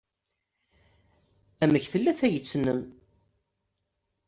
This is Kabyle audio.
Amek tella tayet-nnem?